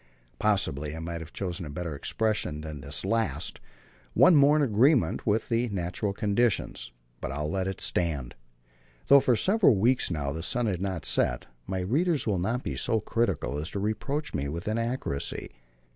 Possibly I might have chosen a better expression than this last one more in agreement with the natural conditions but I will let it stand. Though for several weeks now the sun had not set, my readers will not be so critical as to reproach me with inaccuracy.